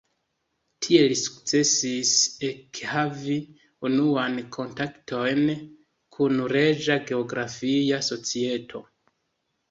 Tiel li sukcesis ekhavi unuajn kontaktojn kun Reĝa Geografia Societo.